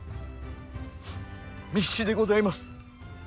密旨でございます。